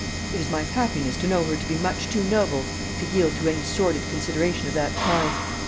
It is my happiness to know her to be much too noble to yield to any sordid consideration of that kind.